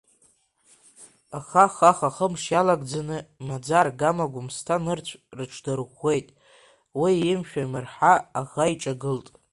Аха хаха-хымш иалагӡаны маӡа-аргама Гәымсҭа нырцә рыҽдырӷәӷәеит, уа имшәа-имырҳа аӷа иҿагылт…